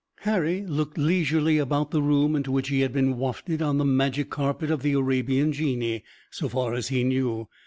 Harry looked leisurely about the room, into which he had been wafted on the magic carpet of the Arabian genii, so far as he knew.